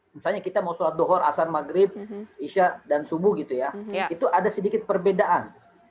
misalnya kita mau sholat duhur asal maghrib isya dan subuh gitu ya itu ada sedikit perbedaan